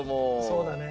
そうだね。